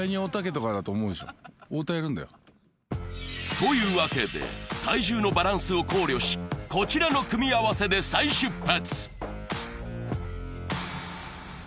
というわけで、体重のバランスを考慮しこちらの組み合わせで再出発。